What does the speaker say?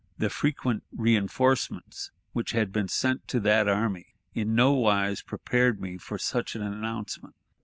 The frequent reënforcements which had been sent to that army in nowise prepared me for such an announcement.